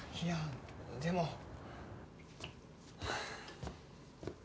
いやでも。